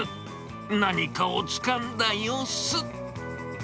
何かをつかんだ様子。